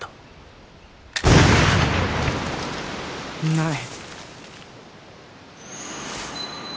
ない。